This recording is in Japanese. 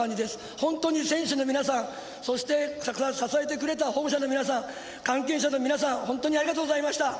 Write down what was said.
本当に選手の皆さんそして支えてくれた保護者の皆さん関係者の皆さん本当にありがとうございました。